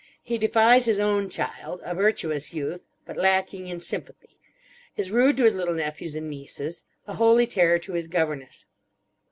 He defies his own child, a virtuous youth, but "lacking in sympathy;" is rude to his little nephews and nieces; a holy terror to his governess.